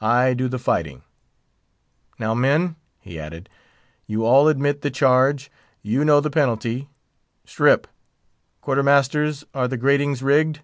I do the fighting." "Now, men," he added, "you all admit the charge; you know the penalty. Strip! Quarter masters, are the gratings rigged?"